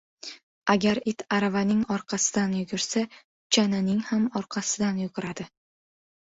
• Agar it aravaning orqasidan yugursa, chananing ham orqasidan yuguradi.